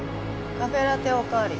カフェラテおかわり。